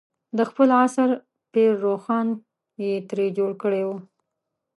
د خپل عصر پير روښان یې ترې جوړ کړی و.